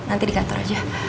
nanti di kantor aja